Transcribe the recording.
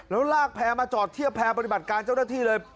แล้วลากแพร่มาจอดเทียบแพร่ปฏิบัติการเจ้าหน้าที่เลย